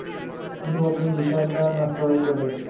কিন্তু প্রথমে বিশাল একটা নাস্তার অর্ডার করে নিই।